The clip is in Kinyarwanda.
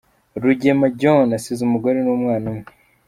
Rugema John assize umugore n’umwana umwe.